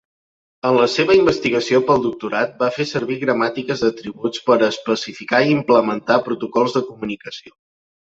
En la seva investigació pel doctorat va fer servir gramàtiques d'atributs per especificar i implementar protocols de comunicació.